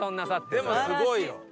でもすごいよ！